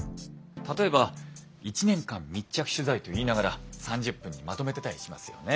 例えば１年間密着取材と言いながら３０分にまとめてたりしますよね。